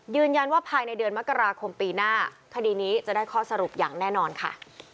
ยืนยันว่าภายในเดือนมกราคมปีหน้าคดีนี้จะได้ข้อสรุปอย่างแน่นอนค่ะ